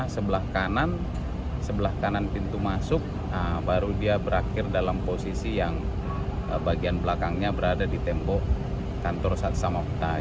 sebelah kanan sebelah kanan pintu masuk baru dia berakhir dalam posisi yang bagian belakangnya berada di tembok kantor sat samapta